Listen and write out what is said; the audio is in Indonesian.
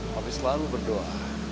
pak pi selalu berdoa